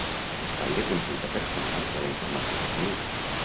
Espai de consulta personal de la informació de salut.